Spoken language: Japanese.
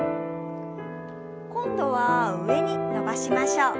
今度は上に伸ばしましょう。